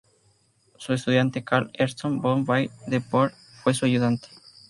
Su estudiante Karl Ernst von Baer de Dorpat fue su ayudante.